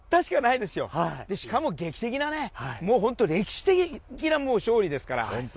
しかも劇的な歴史的な勝利ですから。